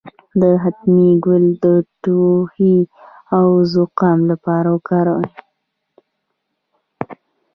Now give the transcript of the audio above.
د ختمي ګل د ټوخي او زکام لپاره وکاروئ